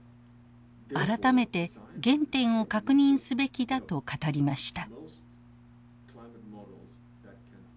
改めて原点を確認すべきだと語りました。